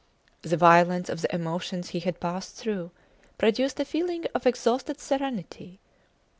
The violence of the emotions he had passed through produced a feeling of exhausted serenity.